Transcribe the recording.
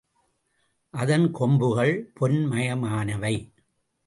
அதன் கொம்புகள் பொன்மயமானவை.